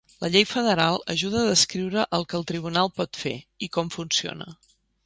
La llei federal ajuda a descriure el que el tribunal pot fer, i com funciona.